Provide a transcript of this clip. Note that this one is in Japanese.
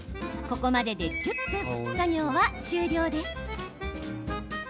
ここまでで１０分作業は終了です。